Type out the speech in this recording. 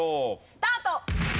スタート！